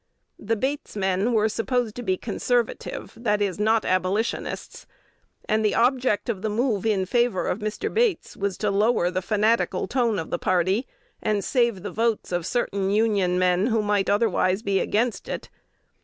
The "Bates men" were supposed to be conservative, that is, not Abolitionists; and the object of the move in favor of Mr. Bates was to lower the fanatical tone of the party, and save the votes of certain "Union men" who might otherwise be against it.